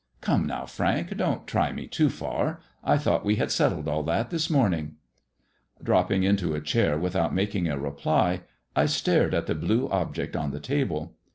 " Come, now, Frank, don't try me too far ; I thought we had settled all that this morning 1 " Dropping into a chair without making a reply, I stared at the blue object on the table.